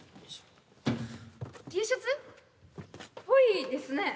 Ｔシャツ？っぽいですね。